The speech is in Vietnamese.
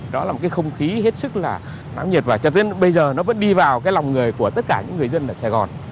đó là một cái không khí hết sức là nắng nhiệt và cho đến bây giờ nó vẫn đi vào cái lòng người của tất cả những người dân ở sài gòn